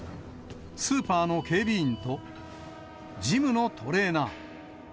スーパーの警備員とジムのトレーナー。